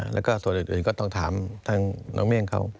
แล้วก็ส่วนอื่นก็ต้องถามทางน้องเมี่ยงเขา